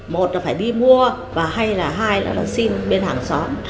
một là phải đi mua hay là hai là xin bên hàng xóm